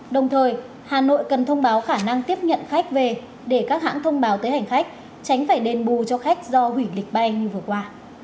đồng thời hà nội cần thông báo khả năng tiếp nhận khách về để các hãng thông báo tới hành khách tránh phải đền bù cho khách do hủy lịch bay như vừa qua